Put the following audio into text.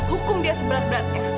hukum dia seberat beratnya